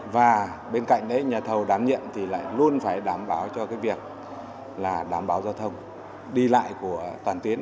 và bên cạnh đấy nhà thầu đám nhiệm thì lại luôn phải đảm bảo cho việc đảm bảo giao thông đi lại của toàn tuyến